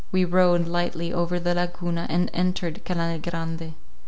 We rowed lightly over the Laguna, and entered Canale Grande.